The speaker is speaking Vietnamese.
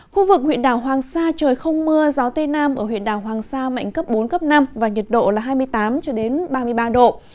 khu vực huyện đảo hoàng sa trời không mưa gió tây nam ở huyện đảo hoàng sa mạnh cấp bốn cấp năm và nhiệt độ là hai mươi tám ba mươi ba độ